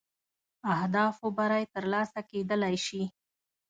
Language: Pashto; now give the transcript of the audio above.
اهدافو بری تر لاسه کېدلای شي.